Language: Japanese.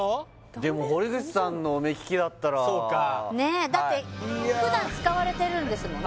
でも堀口さんの目利きだったらそうかねえだって普段使われてるんですもんね